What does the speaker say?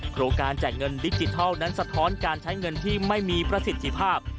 โครงการแจกเงินดิจิทัลนั้นสะท้อนการใช้เงินที่ไม่มีประสิทธิภาพ